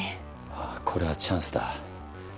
ああこれはチャンスだ。